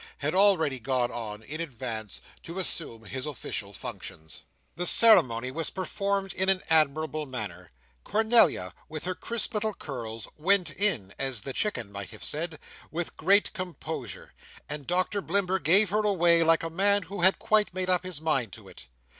had already gone on, in advance, to assume his official functions. The ceremony was performed in an admirable manner. Cornelia, with her crisp little curls, "went in," as the Chicken might have said, with great composure; and Doctor Blimber gave her away, like a man who had quite made up his mind to it.